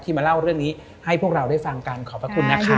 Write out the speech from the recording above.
มาเล่าเรื่องนี้ให้พวกเราได้ฟังกันขอบพระคุณนะคะ